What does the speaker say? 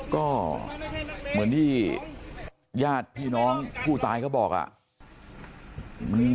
ก็เหมือนที่ญาติพี่น้องผู้ตายเขาบอกอ่ะ